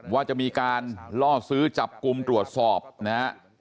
ว่าจะมีการล่อซื้อจับกลุ่มตรวจสอบนะฮะ